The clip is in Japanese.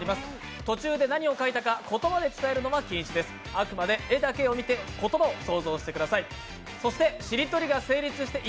あくまで絵だけを見て言葉を想像してください。